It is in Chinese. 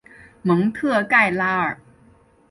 蒙特盖拉尔。